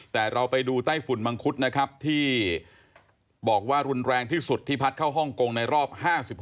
แต่เราไปดูไต้ฝุ่นมังคุดนะครับที่บอกว่ารุนแรงที่สุดที่พัดเข้าฮ่องกงในรอบ๕๖